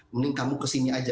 mending kamu kesini saja